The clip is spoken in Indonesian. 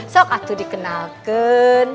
sok aku dikenalkan